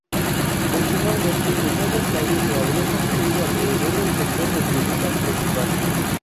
Originalmente, el nuevo estadio se habría construido alrededor del sector de tribunas principal.